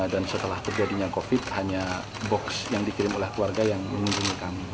dan setelah terjadinya covid sembilan belas hanya box yang dikirim oleh keluarga yang mengunjungi kami